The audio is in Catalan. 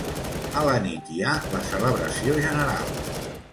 A la nit hi ha la celebració general.